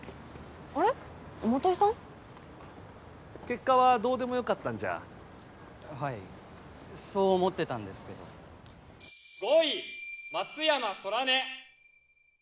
結果はどうでもよかったんじゃはいそう思ってたんですけど５位松山空音